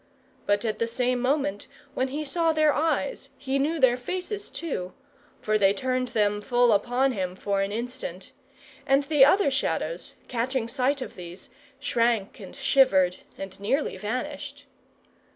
But at the same moment when he saw their eyes, he knew their faces too, for they turned them full upon him for an instant; and the other Shadows, catching sight of these, shrank and shivered, and nearly vanished.